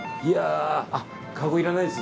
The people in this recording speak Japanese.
かごいらないです